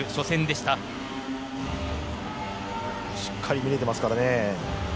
しっかり見えていますからね。